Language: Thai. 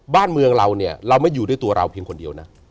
บ้านเมืองเราเนี่ยเราไม่อยู่ด้วยตัวเราเพียงคนเดียวนะ